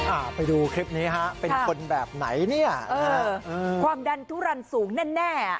อ่าไปดูคลิปนี้ฮะเป็นคนแบบไหนเนี่ยเออความดันทุรันสูงแน่แน่